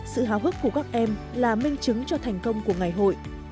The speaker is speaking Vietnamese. sự háo hức của các em là minh chứng cho thành công của ngày hội